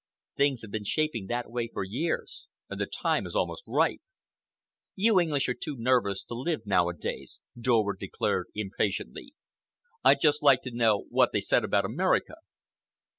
Things have been shaping that way for years, and the time is almost ripe." "You English are too nervous to live, nowadays," Dorward declared impatiently. "I'd just like to know what they said about America."